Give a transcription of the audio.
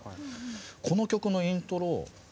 この曲のイントロ